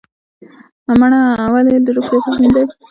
مڼه ولې د روغتیا تضمین ده؟